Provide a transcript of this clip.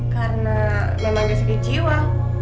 karena memang ada sedih jiwa